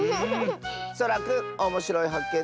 そらくんおもしろいはっけん